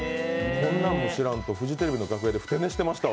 そんなんも知らんとフジテレビの２階でふて寝してましたわ。